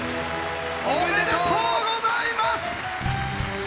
おめでとうございます。